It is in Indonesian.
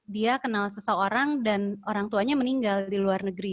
dia kenal seseorang dan orang tuanya meninggal di luar negeri